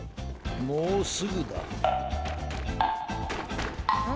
もうすぐだ。